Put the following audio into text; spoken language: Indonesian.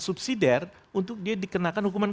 subsidiar untuk dia dikenakan hukuman